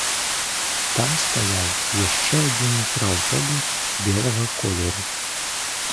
Там стаяў яшчэ адзін мікрааўтобус белага колеру.